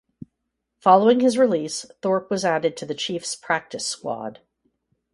Following his release, Thorpe was added to the Chiefs' practice squad.